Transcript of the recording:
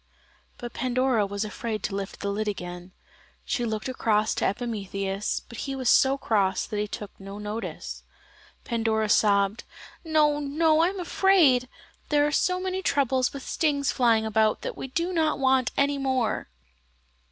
But Pandora was afraid to lift the lid again. She looked across to Epimetheus, but he was so cross that he took no notice. Pandora sobbed: "No, no, I am afraid; there are so many troubles with stings flying about that we do not want any more?"